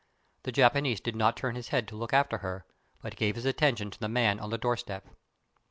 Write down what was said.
The Japanese did not turn his head to look after her, but gave his attention to the man on the doorstep.